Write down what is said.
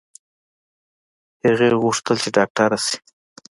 هغې غوښتل چې ډاکټره شي